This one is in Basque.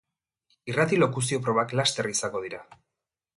Irrati-lokuzio probak laster izango dira.